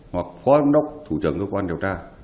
hoặc phó giám đốc thủ trưởng cơ quan điều tra